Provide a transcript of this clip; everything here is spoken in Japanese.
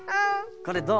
これどうぞ。